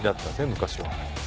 昔は。